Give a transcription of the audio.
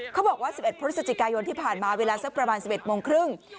เขาบอกว่า๑๑พฤศจิกายนที่ผ่านมาเวลาสักประมาณ๑๑โมงครึ่ง